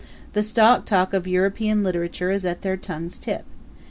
The stock talk of European literature is at their tongue's tip.